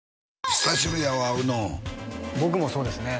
久しぶりやわ会うの僕もそうですね